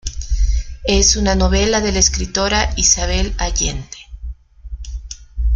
Es una novela de la escritora Isabel Allende.